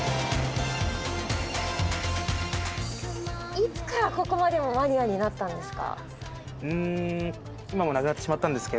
いつからここまでのマニアになったんですか？